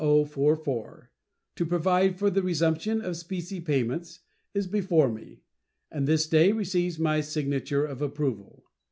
1044, "to provide for the resumption of specie payments," is before me, and this day receives my signature of approval.